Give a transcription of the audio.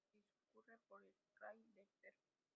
El río discurre por el krai de Perm.